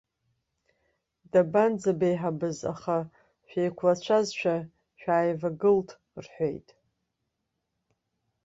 Дабанӡабеиҳабыз, аха шәеиқәлацәазшәа шәааивагылт, рҳәеит.